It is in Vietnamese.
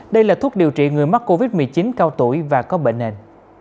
đây là thuốc điều trị người mắc covid một mươi chín cao tuổi và có bệnh nền